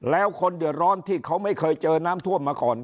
แล้วคนเดือดร้อนที่เขาไม่เคยเจอน้ำท่วมมาก่อน